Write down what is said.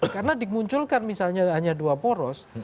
karena dimunculkan misalnya hanya dua poros